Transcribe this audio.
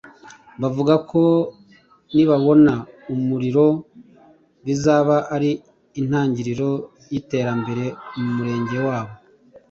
bavuga ko nibabona umuriro bizaba ari intangiriro y’iterambere mu Murenge wabo